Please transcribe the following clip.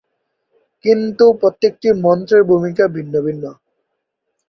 কিন্তু প্রত্যেকটি মন্ত্রের ভূমিকা ভিন্ন ভিন্ন।